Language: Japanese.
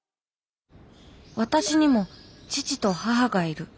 私にも父と母がいる。